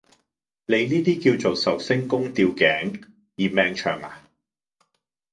你呢啲叫做壽星公吊頸——嫌命長呀！